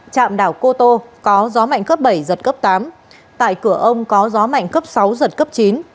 trạm đảo cô tô có gió mạnh cấp bảy giật cấp tám tại cửa ông có gió mạnh cấp sáu giật cấp chín